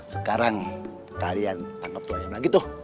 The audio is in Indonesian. sekarang kalian tangkep ayam lagi tuh